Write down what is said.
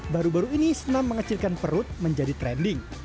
baru baru ini senam mengecilkan perut menjadi trending